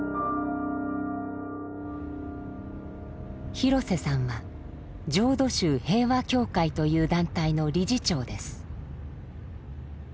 廣瀬さんは浄土宗平和協会という団体の理事長です。